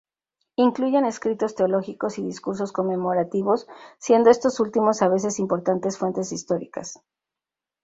Incluyen escritos teológicos y discursos conmemorativos, siendo estos últimos a veces importantes fuentes históricas.